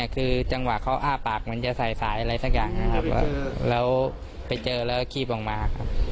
คือจังหวะเขาอ้าปากเหมือนจะใส่สายอะไรสักอย่างนะครับแล้วไปเจอแล้วก็คีบออกมาครับ